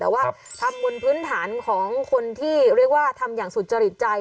แต่ว่าทำบนพื้นฐานของคนที่เรียกว่าทำอย่างสุจริตใจ